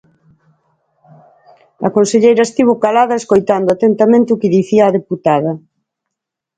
A conselleira estivo calada e escoitando atentamente o que dicía a deputada.